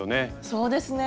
そうですね。